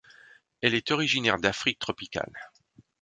Elle est originaire d'Afrique tropicale.